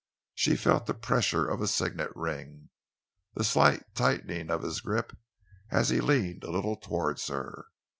She felt the pressure of a signet ring, the slight tightening of his grip as he leaned a little towards her.